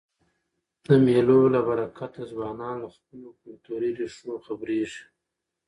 د مېلو له برکته ځوانان له خپلو کلتوري ریښو خبريږي.